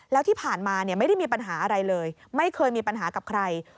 แล้วที่ผ่านมาไม่ได้มีปัญหาอะไรเลยไม่เคยมีปัญหากับใคร